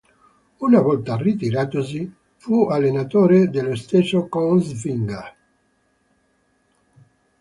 Una volta ritiratosi, fu allenatore dello stesso Kongsvinger.